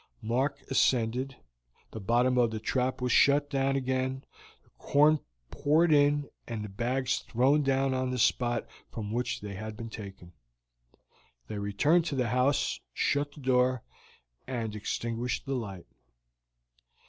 Mark ascended, the bottom of the trap was shut down again, the corn poured in, and the bags thrown down on the spot from which they had been taken. They returned to the house, shut the door, and extinguished the light.